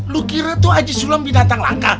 lu kira tuh haji sulam binatang langka